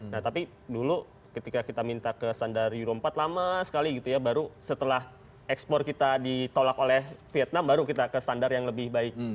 nah tapi dulu ketika kita minta ke standar euro empat lama sekali gitu ya baru setelah ekspor kita ditolak oleh vietnam baru kita ke standar yang lebih baik